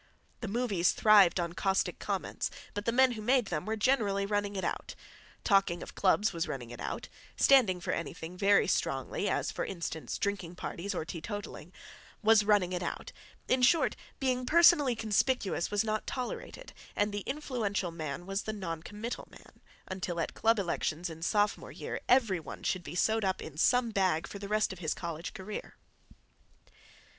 The movies thrived on caustic comments, but the men who made them were generally running it out; talking of clubs was running it out; standing for anything very strongly, as, for instance, drinking parties or teetotalling, was running it out; in short, being personally conspicuous was not tolerated, and the influential man was the non committal man, until at club elections in sophomore year every one should be sewed up in some bag for the rest of his college career.